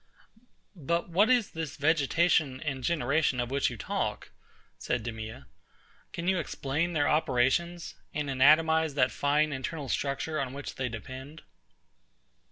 But what is this vegetation and generation of which you talk? said DEMEA. Can you explain their operations, and anatomise that fine internal structure on which they depend?